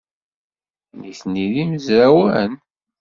Nitni d imezrawen?